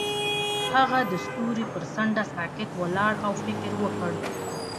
هغه د ستوري پر څنډه ساکت ولاړ او فکر وکړ.